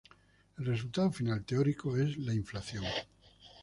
El resultado final teórico es la inflación.